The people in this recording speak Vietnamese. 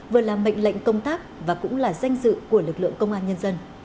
vừa là mệnh lệnh công tác và cũng là danh dự của lực lượng công an nhân dân